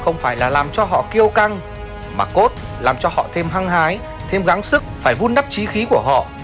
không phải là làm cho họ kêu căng mà cốt làm cho họ thêm hăng hái thêm gắng sức phải vun đắp trí khí của họ